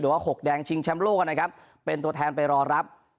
ว่าหกแดงชิงแชมป์โลกนะครับเป็นตัวแทนไปรอรับ